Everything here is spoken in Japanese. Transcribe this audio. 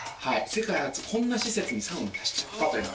世界初こんな施設にサウナ足しちゃったというの。